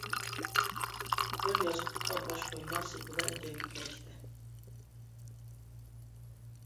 بىر ياستۇققا باش قويماق سېپىدە جەڭگە كىرىشتى.